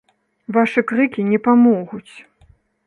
Вашы крыкі не памогуць.